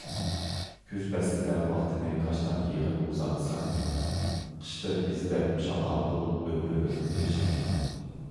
كۈز پەسلىدە ۋاقتىنى كاشتان يىغىپ ئۇزارتسا، قىشتا ئىزدەپ شاقاقۇل ئۆمرى ئۆتتى شادىمان.